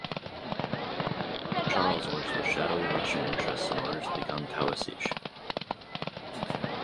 Charles works with shadowy Russian interests in order to become Taoiseach.